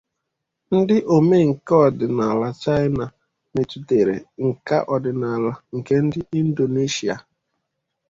Ndị omenkà ọdịnala China metụtara nka ọdịnala nke ndị Indoneshia.